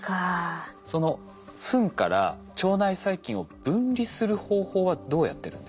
そのフンから腸内細菌を分離する方法はどうやってるんですか？